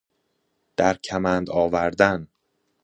در کمند آوردن